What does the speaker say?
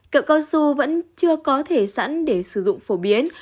cậu cao su vẫn chưa có thể sẵn để sử dụng phổ biến